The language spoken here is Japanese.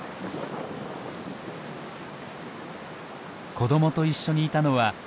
子どもと一緒にいたのはパール。